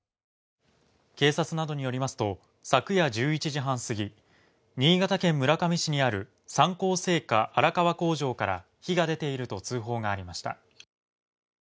警察などによりますと、昨夜１１時半過ぎ、新潟県村上市にある三幸製菓荒川工場から火が出ていると通報がありました。